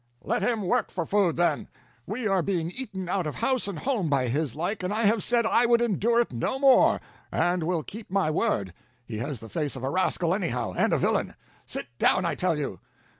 "Let him work for food, then. We are being eaten out of house and home by his like, and I have said I would endure it no more, and will keep my word. He has the face of a rascal anyhow, and a villain. Sit down, I tell you!"